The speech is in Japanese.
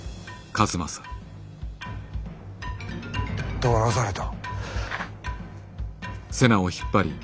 どうなされた？